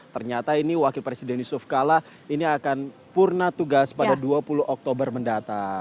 ternyata ini wakil presiden yusuf kala ini akan purna tugas pada dua puluh oktober mendatang